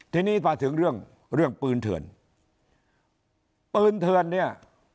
ทีนี้มาถึงเรื่องเรื่องปืนเถินปืนเถินเนี้ย